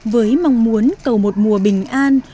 với mong muốn cầu một mùa bình an